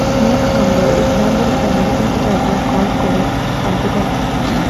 McCumber is a member of the American Society of Golf Course Architects.